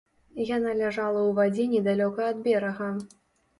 Яна ляжала ў вадзе недалёка ад берага.